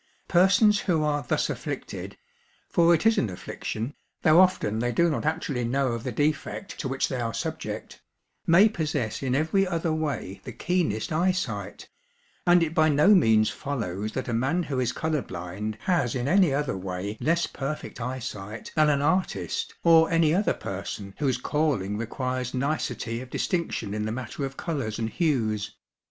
Persons who are thus afflicted for it is an affliction, though often they do not actually know of the defect to which they are subject may possess in every other way the keenest eyesight; and it by no means follows that a man who is colour blind has in any other way less perfect eyesight than an artist or any other person whose calling requires nicety of distinction in the matter of colours and hues.